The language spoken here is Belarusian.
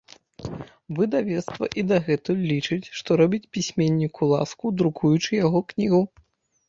Выдавецтва і дагэтуль лічыць, што робіць пісьменніку ласку, друкуючы яго кнігу.